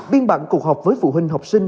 biên bản cuộc họp với phụ huynh học sinh